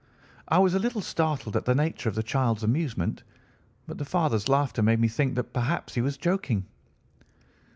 "I was a little startled at the nature of the child's amusement, but the father's laughter made me think that perhaps he was joking.